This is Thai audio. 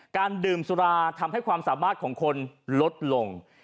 การดื่มสุราทำให้ความสามารถของคนลดลง